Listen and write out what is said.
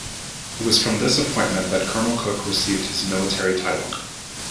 It was from this appointment that Colonel Cook received his military title.